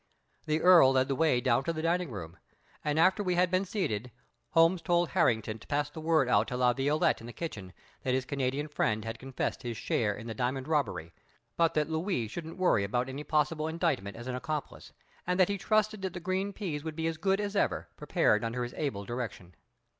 The Earl led the way down to the dining room, and after we had been seated, Holmes told Harrigan to pass the word out to La Violette in the kitchen that his Canadian friend had confessed his share in the diamond robbery, but that Louis shouldn't worry about any possible indictment as an accomplice, and that he trusted that the green peas would be as good as ever, prepared under his able direction.